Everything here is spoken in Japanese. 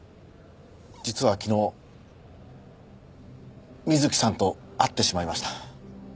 実は昨日美月さんと会ってしまいました。